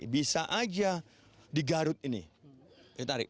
bisa aja digarut ini ditarik